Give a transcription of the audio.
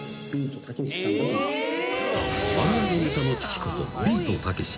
［あるあるネタの父こそビートたけし］